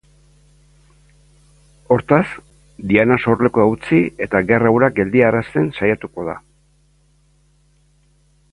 Hortaz, Diana sorlekua utzi eta gerra hura geldiarazten saiatuko da.